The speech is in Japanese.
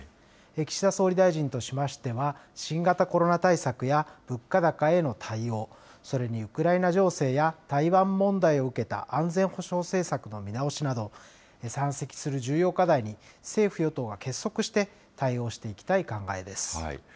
岸田総理大臣としましては、新型コロナ対策や、物価高への対応、それにウクライナ情勢や台湾問題を受けた安全保障政策の見直しなど、山積する重要課題に政府・与党が結束して対応していきたい考えです。